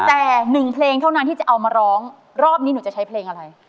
แต่หนึ่งเพลงเท่านั้นที่จะเอามาร้องรอบนี้หนูจะใช้เพลงอะไร